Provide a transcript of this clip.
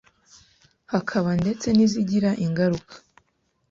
hakaba ndetse n’izigira ingaruka